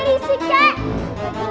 kalian ini jangan berisik cek